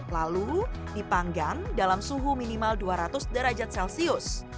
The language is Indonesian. lalu dipanggang dalam suhu minimal dua ratus derajat celcius